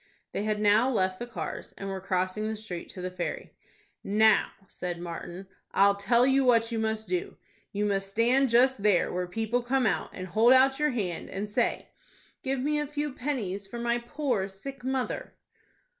They had now left the cars, and were crossing the street to the ferry. "Now," said Martin, "I'll tell you what you must do. You must stand just there where people come out, and hold out your hand, and say, 'Give me a few pennies for my poor sick mother.'"